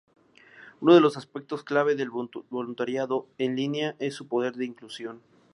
Uno de los aspectos clave del voluntariado en línea es su poder de inclusión.